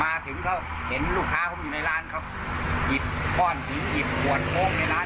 มาถึงเขาเห็นลูกค้าผมอยู่ในร้านเขาหยิบก้อนหินหยิบขวดโค้งในร้าน